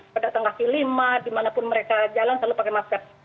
pada tengah kelima dimanapun mereka jalan selalu pakai masker